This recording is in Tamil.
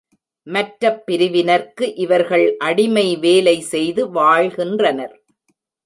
மற்றப் பிரிவினர்க்கு இவர்கள் அடிமை வேலை செய்து வாழ்கின்றனர்.